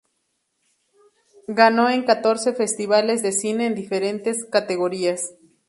Ganó en catorce festivales de cine en diferentes categorías.